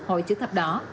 hội chủ thập đỏ